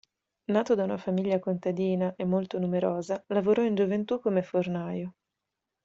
Nato da una famiglia contadina e molto numerosa, lavorò in gioventù come fornaio.